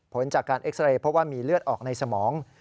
ผลจากการเอ็กซาเรย์เพราะว่ามีเลือดออกในสมอง